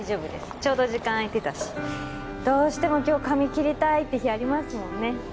ちょうど時間あいてたしどうしても今日髪切りたいって日ありますもんね